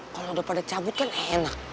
kalau udah pada cabut kan enak